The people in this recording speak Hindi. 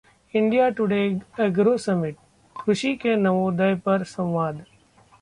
इंडिया टुडे एग्रो समिटः कृषि के नवोदय पर संवाद